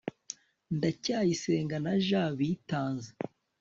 ndacyayisenga na j bitanze